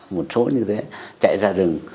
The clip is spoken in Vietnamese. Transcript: một số như thế chạy ra rừng